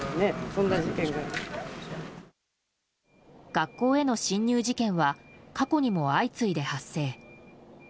学校への侵入事件は過去にも相次いで発生。